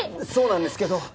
そうなんですけど。